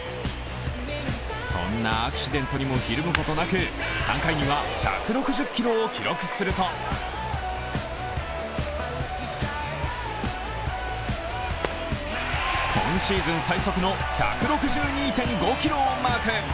そんなアクシデントにもひるむことなく３回には１６０キロを記録すると今シーズン最速の１６２．５キロをマーク。